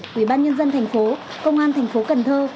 quỹ ban nhân dân thành phố công an thành phố cần thơ